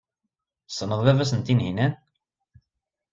Tessneḍ baba-s n Tunhinan.